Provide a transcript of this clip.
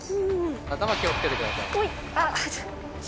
頭気をつけてください。